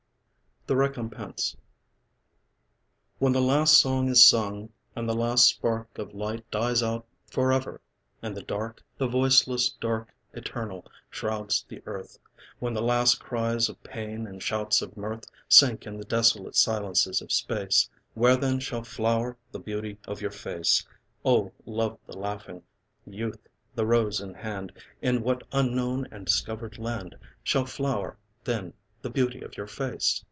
THE RECOMPENSE When the last song is sung, and the last spark Of light dies out forever, and the dark, The voiceless dark eternal shrouds the earth; When the last cries of pain and shouts of mirth Sink in the desolate silences of space; Where then shall flower the beauty of your face, O Love the laughing, Youth the rose in hand, In what unknown and undiscovered land Shall flower then the beauty of your face?